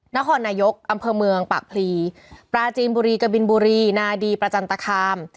นครนายกอำเภอเมืองปากพลีปราจีนบุรีกะบินบุรีนาดีประจันตคาม